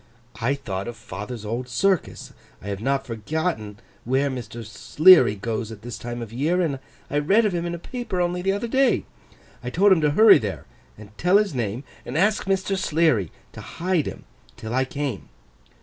I thought of father's old circus. I have not forgotten where Mr. Sleary goes at this time of year, and I read of him in a paper only the other day. I told him to hurry there, and tell his name, and ask Mr. Sleary to hide him till I came.